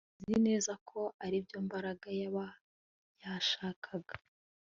Nzi neza ko aribyo Mbaraga yaba yashakaga